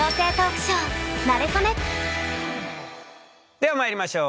ではまいりましょう。